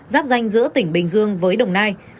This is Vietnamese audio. giáp danh giữa tỉnh bình dương với đồng nai